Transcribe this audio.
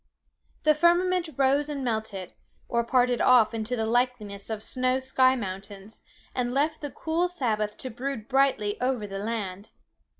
The firmament rose and melted, or parted off into the likeness of snowy sky mountains, and left the cool Sabbath to brood brightly over the land.